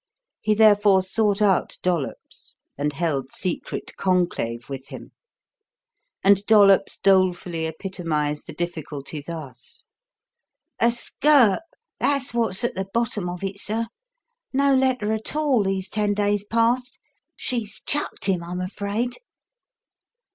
He therefore sought out Dollops and held secret conclave with him; and Dollops dolefully epitomized the difficulty thus: "A skirt that's what's at the bottom of it, sir. No letter at all these ten days past. She's chucked him, I'm afraid."